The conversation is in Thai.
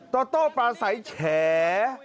โตโตปลาสัยแฉ